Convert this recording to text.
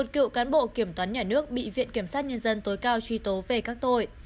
một cựu cán bộ kiểm toán nhà nước bị viện kiểm sát nhân dân tối cao truy tố về các tội